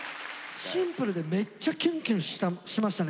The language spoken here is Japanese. シンプルでめっちゃキュンキュンしましたね。